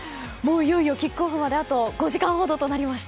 いよいよキックオフまであと５時間ほどとなりました。